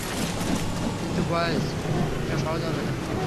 কিন্তু বয়েজ, এটা সহজে হবে না।